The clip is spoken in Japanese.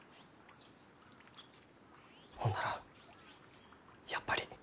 ほんならやっぱり。